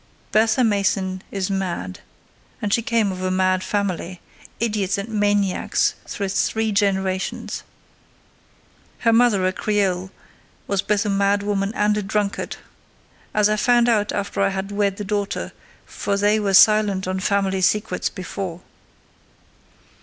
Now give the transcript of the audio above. Bertha Mason is mad; and she came of a mad family; idiots and maniacs through three generations! Her mother, the Creole, was both a madwoman and a drunkard!—as I found out after I had wed the daughter: for they were silent on family secrets before.